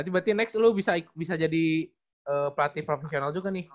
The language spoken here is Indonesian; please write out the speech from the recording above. ya berarti next lu bisa jadi pelatih profesional juga nih